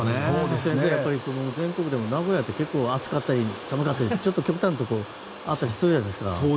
先生、全国でも名古屋ってっ結構暑かったり寒かったりちょっと極端なところがあるじゃないですか。